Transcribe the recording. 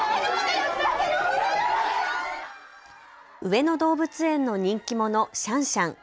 上野動物園の人気者、シャンシャン。